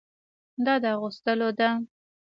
دا د اغوستلو ده.